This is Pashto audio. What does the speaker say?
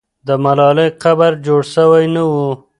د ملالۍ قبر جوړ سوی نه وو.